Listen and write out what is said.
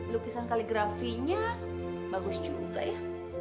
lukisan kaligrafinya bagus juga ya